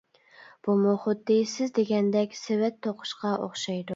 بۇمۇ خۇددى سىز دېگەندەك سېۋەت توقۇشقا ئوخشايدۇ.